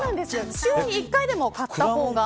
週に１回でも買った方がいい。